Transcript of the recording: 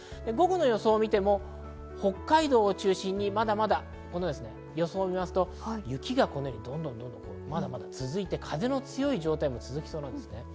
午後の予想を見ても、北海道を中心にまだまだ予想を見ると雪がどんどん続いて、風の強い状態も続きそうです。